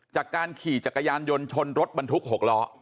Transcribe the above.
จากการขี่จักรยานยนต์ชนรถบรรทุก๖ล้อ